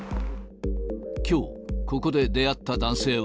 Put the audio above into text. きょう、ここで出会った男性は。